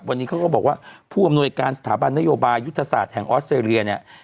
วันนี้เขาก็บอกว่าผู้อำนวยการสถาบันนโยบายยุทธศาสตร์แห่งออสเตรเลียเนี่ย